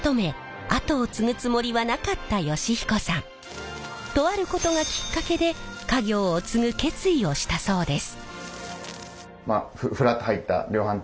実はもともととあることがきっかけで家業を継ぐ決意をしたそうです。